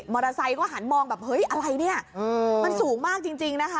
อเตอร์ไซค์ก็หันมองแบบเฮ้ยอะไรเนี่ยมันสูงมากจริงนะคะ